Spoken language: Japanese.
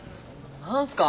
何すか？